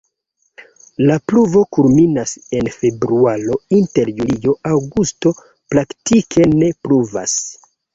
La pluvo kulminas en februaro, inter julio-aŭgusto praktike ne pluvas.